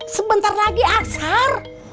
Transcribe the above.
sebentar lagi asar